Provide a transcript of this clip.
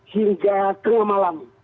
sembilan belas hingga tengah malam